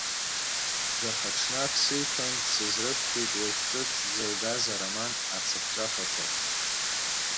Жәахаҽнак сиҭан, дсызрыԥхьеит уажә ҿыц дзылгаз ароман ацыԥҵәахақәак.